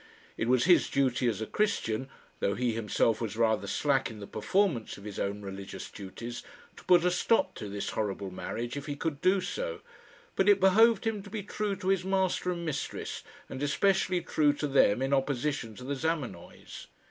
It was his duty as a Christian though he himself was rather slack in the performance of his own religious duties to put a stop to this horrible marriage if he could do so; but it behoved him to be true to his master and mistress, and especially true to them in opposition to the Zamenoys.